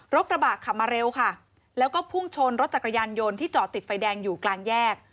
กระบะขับมาเร็วค่ะแล้วก็พุ่งชนรถจักรยานยนต์ที่จอดติดไฟแดงอยู่กลางแยก